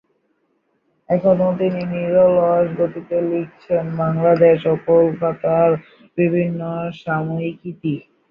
এখনো তিনি নিরলস গতিতে লিখছেন বাংলাদেশ ও কলকাতার বিভিন্ন সাময়িকীতে।